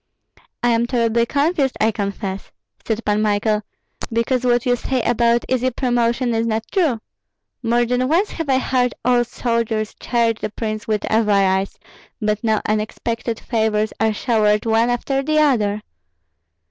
"I am terribly confused, I confess," said Pan Michael, "because what you say about easy promotion is not true. More than once have I heard old soldiers charge the prince with avarice, but now unexpected favors are showered one after the other."